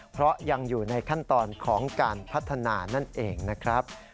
เพราะยังอยู่ในขั้นตอนของการพัฒนานั่นเองนะครับ